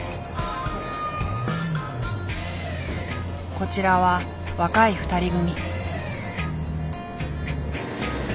こちらは若い２人組。